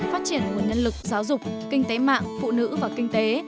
phát triển nguồn nhân lực giáo dục kinh tế mạng phụ nữ và kinh tế